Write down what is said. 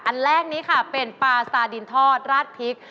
อันแรกนี้ค่ะเป็นปลาสตาดินทอดราดพริก